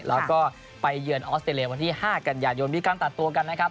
แล้วก็ไปเยือนออสเตรเลียวันที่๕กันยายนมีการตัดตัวกันนะครับ